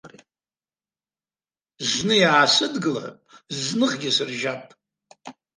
Зны иаасыдгылап, зныхгьы сыржьап.